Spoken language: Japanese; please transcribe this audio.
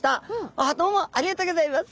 ああどうもありがとうギョざいます。